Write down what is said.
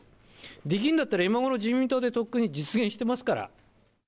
できるんだったら、今ごろ自民党がとっくに実現してますから。